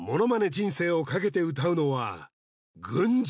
人生をかけて歌うのは「群青」